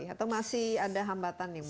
atau masih ada hambatan nih mas